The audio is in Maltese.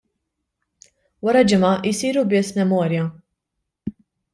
Wara ġimgħa jsiru biss memorja.